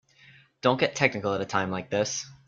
Don't get technical at a time like this.